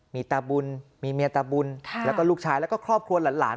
มีตาบุญมีเมียตาบุญแล้วก็ลูกชายแล้วก็ครอบครัวหลาน